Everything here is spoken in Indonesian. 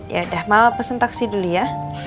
ya udah ma pesen taksi dulu ya